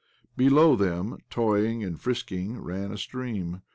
Below them, toying and frisking, ran a stream.